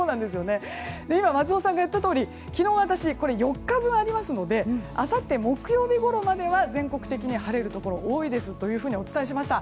松尾さんが言ったとおり昨日、私これ４日分ありますのであさって木曜日ごろまでは全国的に晴れるところが多いとお伝えしました。